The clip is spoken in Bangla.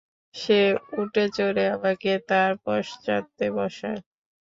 সে উটে চড়ে আমাকে তার পশ্চাতে বসায়।